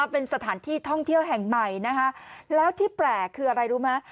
เป็นสถานที่ท่องเที่ยวแห่งใหม่นะคะแล้วที่แปลกคืออะไรรู้ไหม